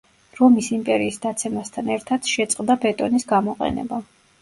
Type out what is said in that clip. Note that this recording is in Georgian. რომის იმპერიის დაცემასთან ერთად შეწყდა ბეტონის გამოყენება.